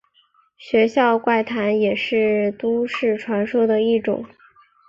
学校怪谈也是都市传说的一种。